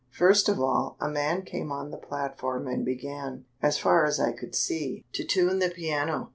First of all, a man came on the platform and began, as far as I could see, to tune the piano.